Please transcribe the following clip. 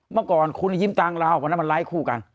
เมื่อก่อนคุณยิ้มตังค์เราวันนั้นมันไร้คู่กัน